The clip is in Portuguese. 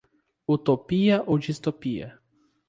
Utopia ou distopia?